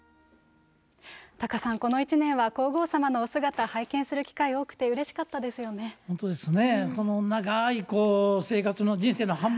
タカさん、この１年は皇后さまのお姿、拝見する機会多くて、うれしかったですよね。